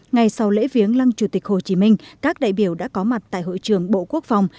ngay sau lễ viếng lăng chủ tịch hồ chí minh các đại biểu đã có mặt tại hội trường bộ quốc phòng